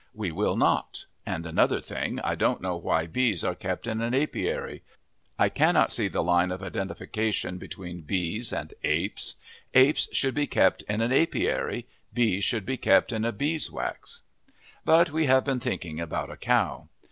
We will not. And another thing, I don't know why bees are kept in an apiary. I cannot see the line of identification between bees and apes. Apes should be kept in an apiary; bees should be kept in a beeswax. But we have been thinking about a cow.